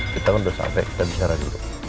kita kan udah sampai kita bicara dulu